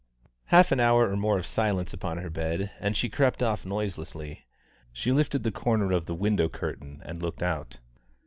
Half an hour more of silence upon her bed, and she crept off noiselessly; she lifted the corner of the window curtain and looked out.